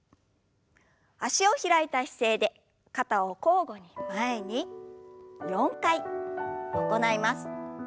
脚を開いた姿勢で肩を交互に前に４回行います。